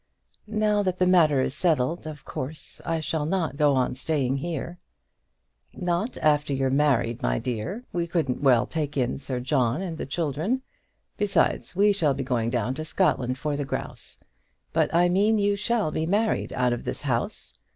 "Now that the matter is settled, of course, I shall not go on staying here." "Not after you're married, my dear. We couldn't well take in Sir John and all the children. Besides, we shall be going down to Scotland for the grouse. But I mean you shall be married out of this house.